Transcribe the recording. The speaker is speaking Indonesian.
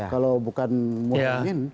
kalau bukan mau mengingin